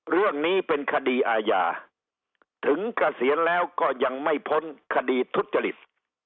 เรื่องนี้เป็นคดีอาญาถึงเกษียณแล้วก็ยังไม่พ้นคดีทุจริต